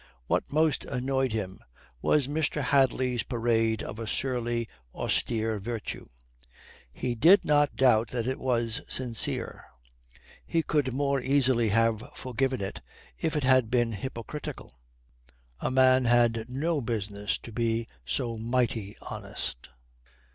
What most annoyed him was Mr. Hadley's parade of a surly, austere virtue. He did not doubt that it was sincere. He could more easily have forgiven it if it had been hypocritical. A man had no business to be so mighty honest.